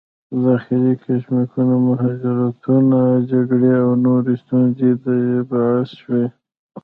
داخلي کشمکشونه، مهاجرتونه، جګړې او نورې ستونزې د دې باعث شول